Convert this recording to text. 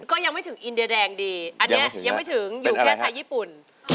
อันนี้ยังไม่ถึงอยู่แค่ไทยญี่ปุ่น